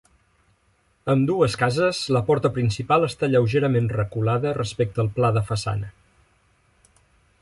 A ambdues cases la porta principal està lleugerament reculada respecte al pla de façana.